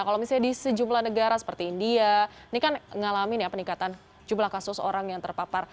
kalau misalnya di sejumlah negara seperti india ini kan ngalamin ya peningkatan jumlah kasus orang yang terpapar